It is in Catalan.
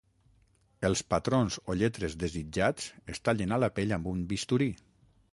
Els patrons o lletres desitjats es tallen a la pell amb un bisturí.